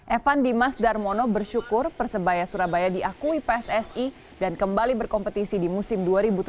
evan dimas darmono bersyukur persebaya surabaya diakui pssi dan kembali berkompetisi di musim dua ribu tujuh belas